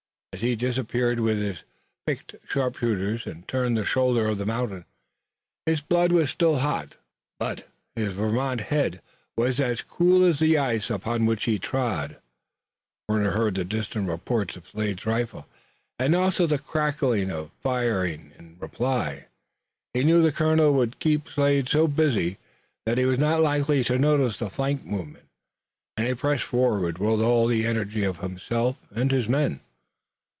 As he disappeared with his picked sharpshooters and turned the shoulder of the mountain his blood was still hot, but his Vermont head was as cool as the ice upon which he trod. Warner heard the distant reports of Slade's rifle, and also the crackle of the firing in reply. He knew the colonel would keep Slade so busy that he was not likely to notice the flank movement, and he pressed forward with all the energy of himself and his men.